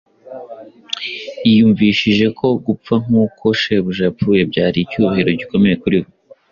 Yiyumvishije ko gupfa nk’uko Shebuja yapfuye byari icyubahiro gikomeye kuri we